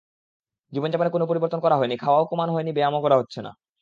জীবনযাপনে কোনো পরিবর্তন করা হয়নি, খাওয়াও কমানো হয়নি, ব্যায়ামও করা হচ্ছে না।